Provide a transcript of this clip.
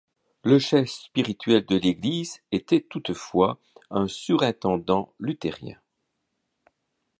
Le chef spirituel de l'église était toutefois un surintendant luthérien.